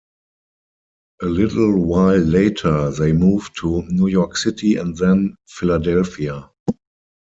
A little while later, they moved to New York City and then Philadelphia.